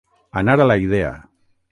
Anar a la idea.